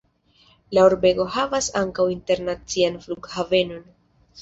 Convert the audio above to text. La urbego havas ankaŭ internacian flughavenon.